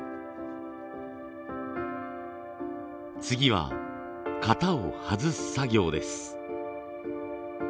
次は型を外す作業です。